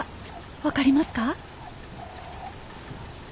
分かりますか？